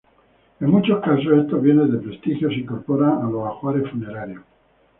En muchos casos, estos bienes de prestigio se incorporan a los ajuares funerarios.